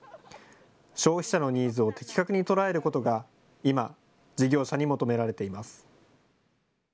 消費者のニーズを的確に捉えることが今、事業者に求められています。